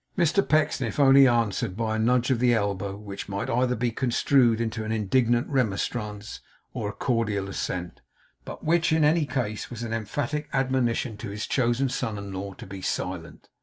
Mr Pecksniff only answered by a nudge of the elbow, which might either be construed into an indignant remonstrance or a cordial assent; but which, in any case, was an emphatic admonition to his chosen son in law to be silent.